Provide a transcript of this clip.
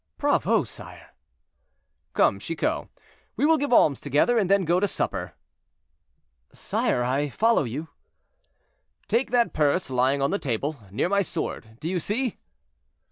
"Bravo, sire!" "Come, Chicot, we will give alms together, and then go to supper." "Sire, I follow you." "Take that purse lying on the table, near my sword—do you see?"